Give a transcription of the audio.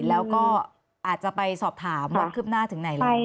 แล้วก็อาจจะไปสอบถามความคืบหน้าถึงไหนแล้ว